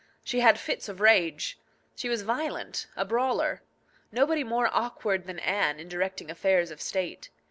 She had fits of rage. She was violent, a brawler. Nobody more awkward than Anne in directing affairs of state.